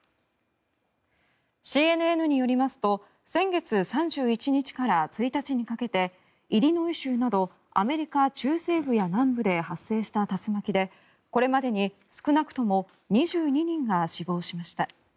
ＣＮＮによりますと先月３１日から１日にかけてイリノイ州などアメリカ中西部や南部で発生した竜巻でこれまでに少なくとも２２人が死亡しました。